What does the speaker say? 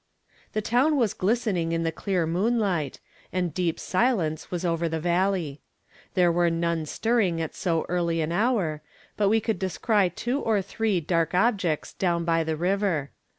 The town was glistening in the clear moonlight, and deep silence was over the valley. There were none stirring at so early an hour, but we could descry two or three dark objects down by the river.